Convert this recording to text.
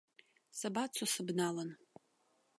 Сабацо сыбналан?